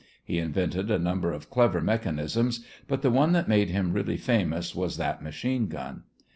He invented a number of clever mechanisms, but the one that made him really famous was that machine gun.